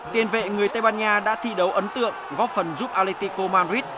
tiên vệ người tây ban nha đã thi đấu ấn tượng góp phần giúp atletico madrid